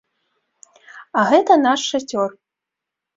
А гэта наш шацёр.